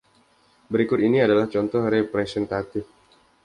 Berikut ini adalah contoh representatif.